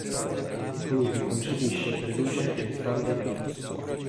È colui che concepisce, produce e diffonde i tops.